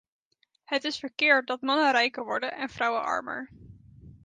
Het is verkeerd dat mannen rijker worden en vrouwen armer.